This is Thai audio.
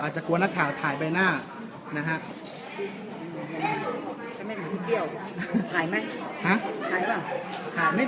อาจจะกลัวนักข่าวถ่ายใบหน้านะฮะถ่ายไหมฮะถ่ายไม่